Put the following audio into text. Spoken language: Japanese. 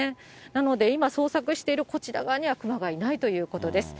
なので、今捜索しているこちら側には熊がいないということです。